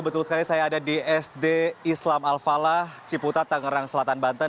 betul sekali saya ada di sd islam al falah ciputat tangerang selatan banten